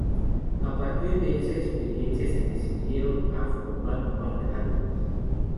A partir de esa experiencia, se decidieron a formar Mark-Almond.